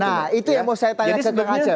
nah itu yang mau saya tanya ke kang asep